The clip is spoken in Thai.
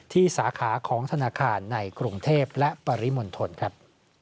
สาขาของธนาคารในกรุงเทพและปริมณฑลครับ